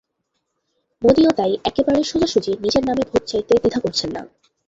মোদিও তাই একেবারে সোজাসুজি নিজের নামে ভোট চাইতে দ্বিধা করছেন না।